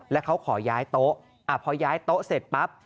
แล้วเขาขอย้ายโต๊ะพอย้ายโต๊ะเสร็จปั๊บ